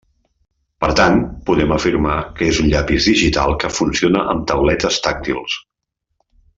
Per tant, podem afirmar que és un llapis digital que funciona amb tauletes tàctils.